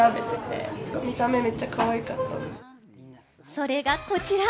それがこちら！